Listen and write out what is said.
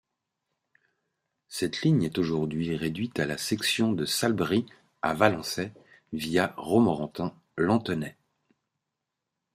Cette ligne est aujourd'hui réduite à la section de Salbris à Valençay, via Romorantin-Lanthenay.